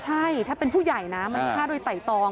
ใช่ถ้าเป็นผู้ใหญ่นะมันฆ่าโดยไต่ตอง